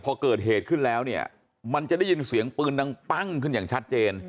พอเกิดเหตุขึ้นแล้วเนี่ยมันจะได้ยินเสียงปืนดังปั้งขึ้นอย่างชัดเจน